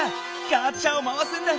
ガチャを回すんだ！